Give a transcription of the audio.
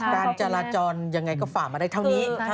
การจราจรยังไงก็ฝ่ามาได้เท่านี้